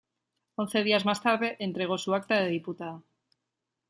Once días más tarde, entregó su acta de diputada.